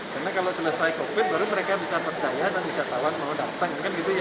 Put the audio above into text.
karena kalau selesai covid baru mereka bisa percaya dan wisatawan mau datang